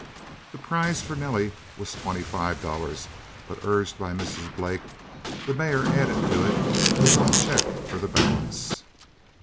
The prize for Nellie was twenty five dollars, but urged by Mrs. Blake, the mayor added to it his own check for the balance.